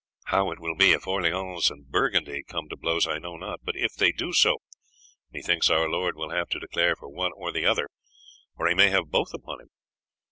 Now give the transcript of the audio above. How it will be if Orleans and Burgundy come to blows I know not; but if they do so, methinks our lord will have to declare for one or the other, or he may have both upon him.